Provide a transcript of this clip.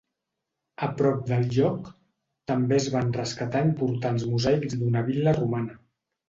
A prop del lloc, també es van rescatar importants mosaics d'una vil·la romana.